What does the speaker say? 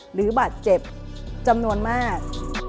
หรือบาดเจ็บจำนวนมาก